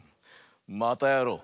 またやろう！